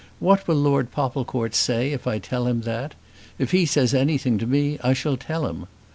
What will Lord Popplecourt say if I tell him that? If he says anything to me, I shall tell him.